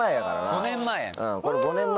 ５年前？